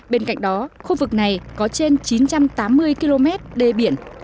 bên cạnh đó khu vực này có trên chín trăm tám mươi km đê biển